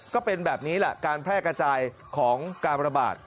ก็เป็นแบบนี้แหละการแพร่กระจายของการระบาด